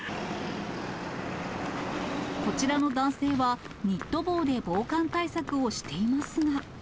こちらの男性は、ニット帽で防寒対策をしていますが。